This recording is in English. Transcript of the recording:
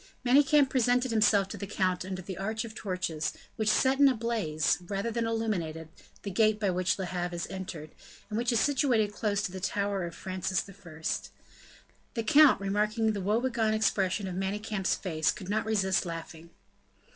Manicamp presented himself to the count under an arch of torches, which set in a blaze, rather than illuminated, the gate by which Le Havre is entered, and which is situated close to the tower of Francis I. The count, remarking the woe begone expression of Manicamp's face, could not resist laughing.